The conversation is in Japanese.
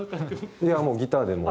いやもうギターでも。